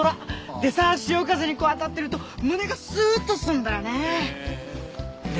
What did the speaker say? でさ潮風にこう当たってると胸がスーッとするんだよね。